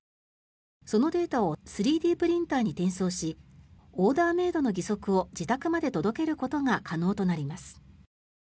そのデータを３Ｄプリンターに転送しオーダーメイドの義足を自宅まで届けることが可能になります。